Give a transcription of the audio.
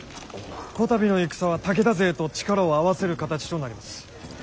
こたびの戦は武田勢と力を合わせる形となります。